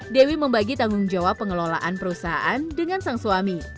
dewi membagi tanggung jawab pengelolaan perusahaan dengan sang suami